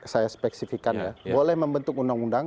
saya spesifikan ya boleh membentuk undang undang